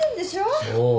そう。